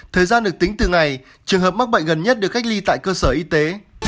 thời gian được tính từ ngày trường hợp mắc bệnh gần nhất được cách ly tại cơ sở y tế